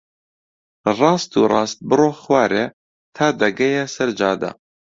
ڕاست و ڕاست بڕۆ خوارێ تا دەگەیە سەر جادە.